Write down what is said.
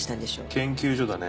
研究所だね。